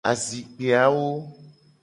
Azikpe awo.